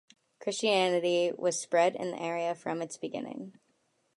Christianity was spread in the area from its beginning.